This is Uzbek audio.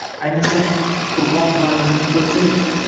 Ayniqsa, Qurbon muallimni koʻrsak.